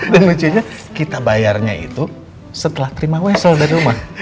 dan lucunya kita bayarnya itu setelah terima wesel dari rumah